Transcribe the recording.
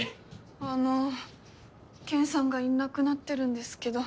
あのケンさんがいなくなってるんですけど。